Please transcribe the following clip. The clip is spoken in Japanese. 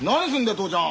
父ちゃん。